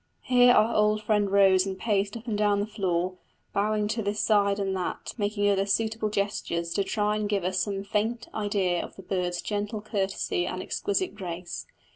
Here our old friend rose and paced up and down the floor, bowing to this side and that and making other suitable gestures, to try to give us some faint idea of the birds' gentle courtesy and exquisite grace.